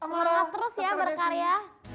selamat terus ya berkarya